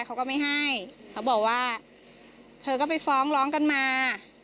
เขาก็ไม่ให้เขาบอกว่าเธอก็ไปฟ้องร้องกันมา